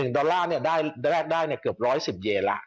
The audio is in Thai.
๑ดอลลาร์เนี่ยได้แรกได้เนี่ยเกือบร้อย๑๐เยนละ